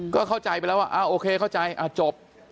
ก็เข้าใจไปแล้วว่าโอเคเข้าใจจบ